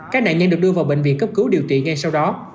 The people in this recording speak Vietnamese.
các nạn nhân được đưa vào bệnh viện cấp cứu điều trị ngay sau đó